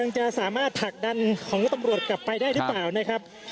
จะสามารถผลักดันของตำรวจกลับไปได้หรือเปล่านะครับ